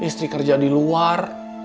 istri kerja di luar